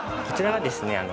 こちらがですね